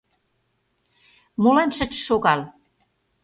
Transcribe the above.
Молан шыч шогал?